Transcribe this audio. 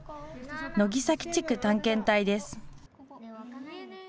野木崎地区探検隊です。